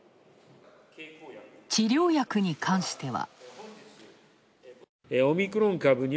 治療薬に関しては。